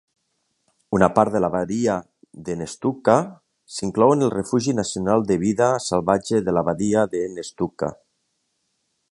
Una part de la Badia de Nestucca s'inclou en el Refugi Nacional de Vida Salvatge de la Badia de Nestucca.